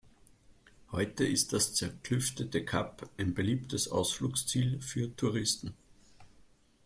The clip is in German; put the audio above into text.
Heute ist das zerklüftete Kap ein beliebtes Ausflugsziel für Touristen.